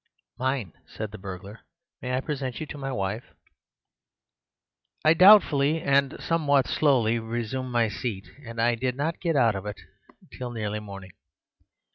"'Mine,' said the burglar, 'May I present you to my wife?' "I doubtfully, and somewhat slowly, resumed my seat; and I did not get out of it till nearly morning.